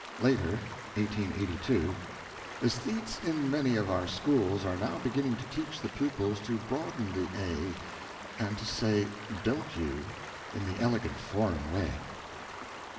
[Later 1882. Esthetes in many of our schools are now beginning to teach the pupils to broaden the 'a,' and to say "don't you," in the elegant foreign way.